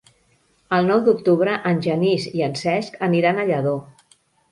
El nou d'octubre en Genís i en Cesc aniran a Lladó.